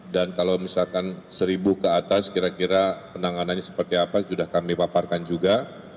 dan kalau misalkan seribu ke atas kira kira penanganannya seperti apa sudah kami waparkan juga